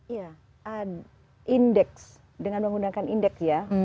ya indeks dengan menggunakan indeks ya